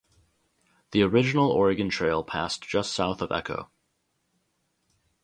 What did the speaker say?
The original Oregon Trail passed just south of Echo.